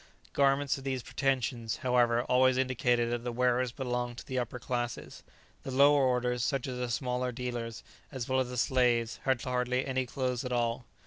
Garments of these pretensions, however, always indicated that the wearers belonged to the upper classes; the lower orders, such as the smaller dealers, as well as the slaves, had hardly any clothes at all.